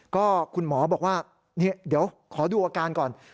ก็คุณหมอบอกว่าเดี๋ยวขอดูอาการก่อน